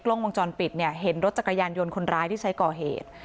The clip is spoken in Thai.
กล้องวงจรปิดเนี่ยเห็นรถจักรยานยนต์คนร้ายที่ใช้ก่อเหตุ